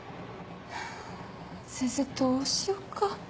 ハァ先生どうしよっか。